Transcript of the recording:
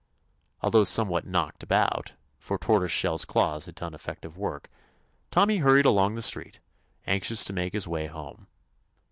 Although somewhat "knocked about," for Tortoise shell's claws had done effective work. Tommy hurried along the streets, anxious to make his way home.